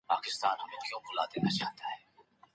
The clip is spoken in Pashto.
د ميرويس خان نيکه ورور په جګړو کي څه ونډه لرله؟